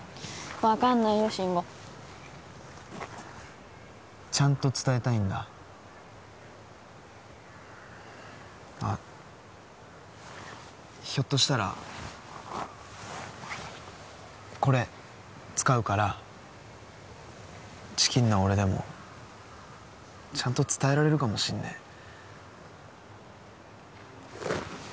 分かんないよ慎吾ちゃんと伝えたいんだあっひょっとしたらこれ使うからチキンな俺でもちゃんと伝えられるかもしんねえ